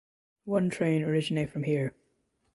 One train originate from here.